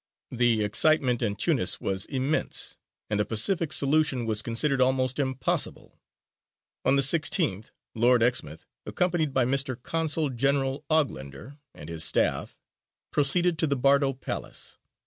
The excitement in Tunis was immense, and a pacific solution was considered almost impossible. On the 16th Lord Exmouth, accompanied by Mr. Consul General Oglander and his staff, proceeded to the Bardo Palace.